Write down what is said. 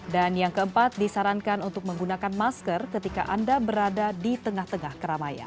dan yang keempat disarankan untuk menggunakan masker ketika anda berada di tengah tengah keramayan